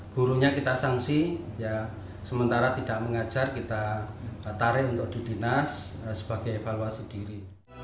gurunya kita sanksi sementara tidak mengajar kita tarik untuk di dinas sebagai evaluasi diri